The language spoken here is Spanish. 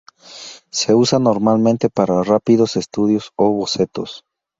Se usan normalmente para rápidos estudios o bocetos.